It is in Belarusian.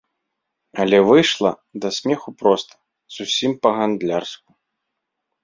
Але выйшла да смеху проста, зусім па-гандлярску.